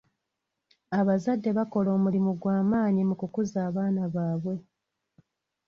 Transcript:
Abazadde bakola omulimu gw'amaanyi mu kukuza abaana baabwe.